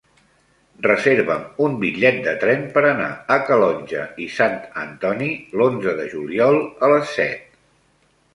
Reserva'm un bitllet de tren per anar a Calonge i Sant Antoni l'onze de juliol a les set.